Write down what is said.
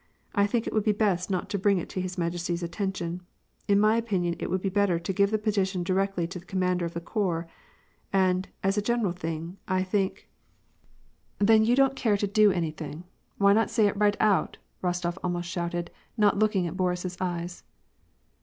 I think it would be best not to bring it to his majesty's attention. In my opinion, it would be better to give the petition directly to the commander of the corps. And, as a general thing, I think "— WAR AND PEACE. 145 "Then you don't care to do anything. Why not say it right out !" Rostof almost shouted, not looking at Boris's eyes.